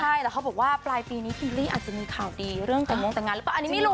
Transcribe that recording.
ใช่แต่เค้าบอกว่าปลายปีแบบนี้